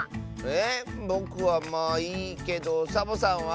えぼくはまあいいけどサボさんは？